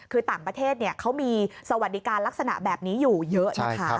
คือต่างประเทศเขามีสวัสดิการลักษณะแบบนี้อยู่เยอะนะคะ